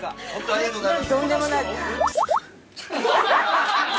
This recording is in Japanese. とんでもない。